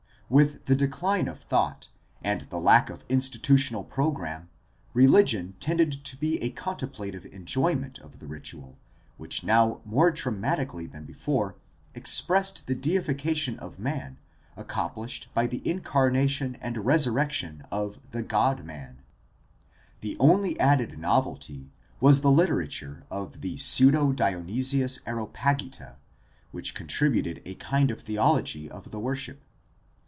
With the decline of thought and the lack of DEVELOPMENT OF THE CATHOLIC CHURCH 339 institutional program religion tended to be a contemplative enjoyment of the ritual which now more dramatically than before expressed the deification of man accomplished by the incarnation and resurrection of the God man. The only added novelty was the literature of the pseudo Dionysius Areopagita which contributed a kind of theology of the worship.